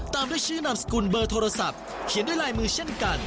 ตามด้วยชื่อนามสกุลเบอร์โทรศัพท์เขียนด้วยลายมือเช่นกัน